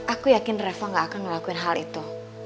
aku yakin reva gak akan melakukan hal itu